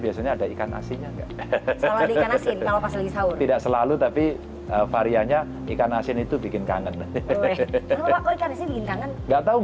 biasanya ada ikan nasinya enggak tidak selalu warenya ikan asin itu bikin kangen enggak tahu